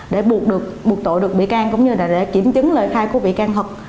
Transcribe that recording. để buộc tội được bị can cũng như là để kiểm chứng lời khai của bị can thuật